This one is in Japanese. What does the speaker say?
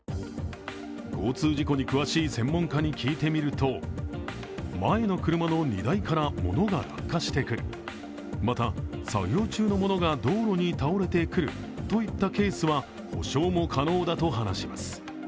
交通事故に詳しい専門家に聞いてみると前の車の荷台からものが落下してくる、また作業中のものが道路に倒れてくるといったケースは補償も可能だと話します。